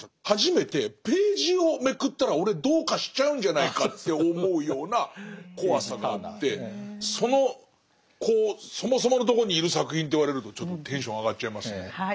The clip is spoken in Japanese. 初めてページをめくったら俺どうかしちゃうんじゃないかって思うような怖さがあってそのそもそものところにいる作品って言われるとちょっとテンション上がっちゃいますね。